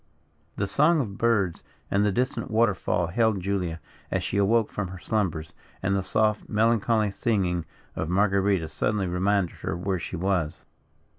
The song of birds and the distant water fall hailed Julia, as she awoke from her slumbers; and the soft, melancholy singing of Marguerita suddenly reminded her where she was.